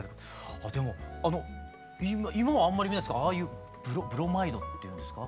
あっでも今はあんまり見ないですけどああいうブロマイドっていうんですか？